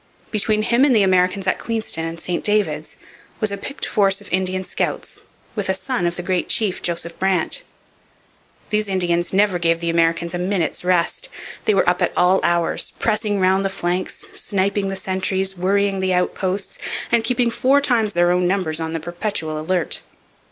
Between him and the Americans at Queenston and St David's was a picked force of Indian scouts with a son of the great chief Joseph Brant. These Indians never gave the Americans a minute's rest. They were up at all hours, pressing round the flanks, sniping the sentries, worrying the outposts, and keeping four times their own numbers on the perpetual alert.